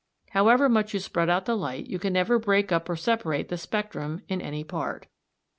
However much you spread out the light you can never break up or separate the spectrum in any part.